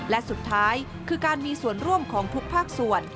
และสุดท้ายคือการมีส่วนร่วมของทุกภาคส่วน